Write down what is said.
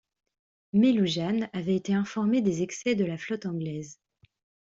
Mais Lujan avait été informé des excès de la flotte anglaise.